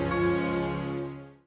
aku harus pergi dari rumah